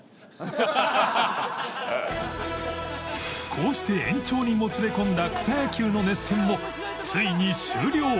こうして延長にもつれ込んだ草野球の熱戦もついに終了